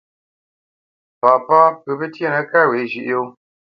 Papá pə pətíénə kâ wě zhʉ̌ʼ yó.